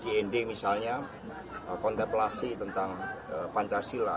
di indi misalnya kontemplasi tentang pancasila